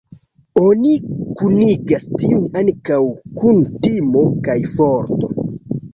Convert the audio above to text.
Oni kunigas tiun ankaŭ kun timo kaj forto.